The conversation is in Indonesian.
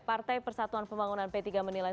partai persatuan pembangunan p tiga menilai